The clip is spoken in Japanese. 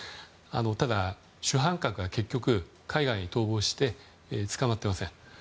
ただ、主犯格は結局海外に逃亡して捕まっていません。